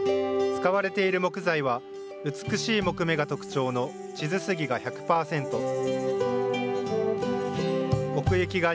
使われている木材は、美しい木目が特徴の智頭杉が１００％。